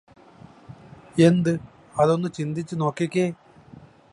എന്ത് അതൊന്നു ചിന്തിച്ച് നോക്കിക്കേ